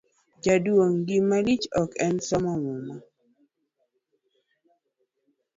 jaduong' gimalich ok en somo muma